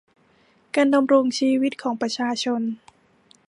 การดำรงชีวิตของประชาชน